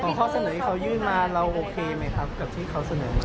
ข้อเสนอที่เขายื่นมาเราโอเคไหมครับกับที่เขาเสนอมา